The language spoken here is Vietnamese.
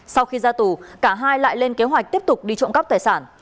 sau khi ra tù cả hai lại lên kế hoạch tiếp tục đi trộm cắp tài sản